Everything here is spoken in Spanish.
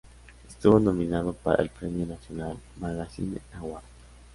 Estuvo nominado para el premio National Magazine Award.